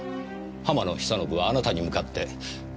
浜野久信はあなたに向かってこう言った。